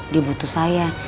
dia butuh saya